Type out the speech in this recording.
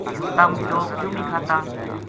تم چوگ کیوں نیہہ کھاتا